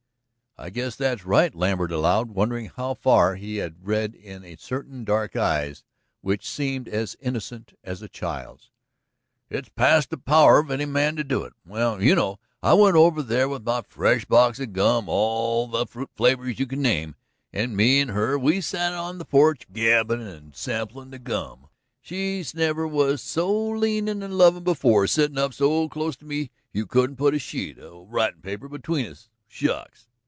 "I guess that's right," Lambert allowed, wondering how far he had read in certain dark eyes which seemed as innocent as a child's. "It's past the power of any man to do it. Well, you know, I went over there with my fresh box of gum, all of the fruit flavors you can name, and me and her we set out on the porch gabbin' and samplin' that gum. She never was so leanin' and lovin' before, settin' up so clost to me you couldn't 'a' put a sheet of writin' paper between us. Shucks!"